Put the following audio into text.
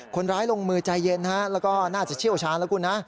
คนร้ายลงมือใจเย็นแล้วก็น่าจะเชี่ยวชาญแล้วคุณนะ